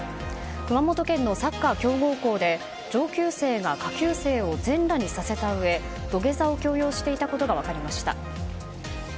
熊本県のサッカー強豪校で上級生が下級生を全裸にさせたうえ土下座を強要していたことが分かりました。